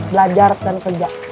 belajar dan kerja